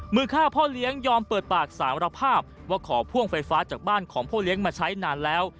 มือฆ่าพ่อเลี้ยงยอมเปิดปากสารภาพว่าขอพ่วงไฟฟ้าจากบ้านของพ่อเลี้ยงมาใช้นานแล้ว